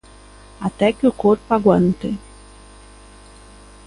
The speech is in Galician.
"Até que o corpo aguante".